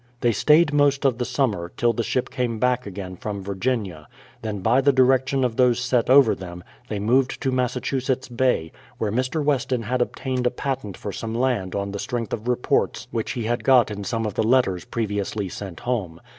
They stayed most of the summer, till the ship came back again from Virginia; then by the direction of those set over them, they moved to Massachusetts Bay, where Mr. Weston had obtained a patent for some land on the strength of reports which he had got in some of the letters previously sent home.